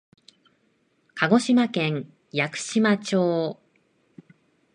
鹿児島県屋久島町